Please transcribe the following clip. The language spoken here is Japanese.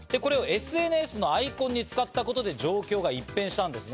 これをＳＮＳのアイコンに使ったことで状況が一変したんですね。